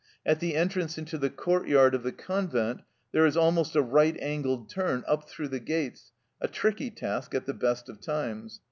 At the entrance into the courtyard of the convent there is almost a right angled turn up through the gates, a tricky task at the best of times.